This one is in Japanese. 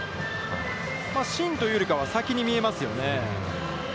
真芯というよりかは、先に見えますよね。